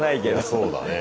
そうだね。